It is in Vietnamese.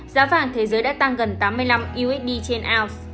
giá vàng thế giới đã tăng gần tám mươi năm usd trên ounce